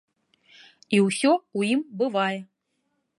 І ўсё ў ім бывае.